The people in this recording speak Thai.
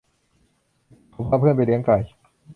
เขาพาเพื่อนไปเลี้ยงไก่